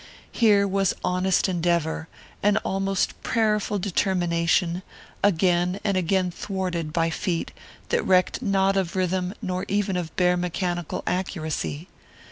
"Here was honest endeavour, an almost prayerful determination, again and again thwarted by feet that recked not of rhythm or even of bare mechanical accuracy.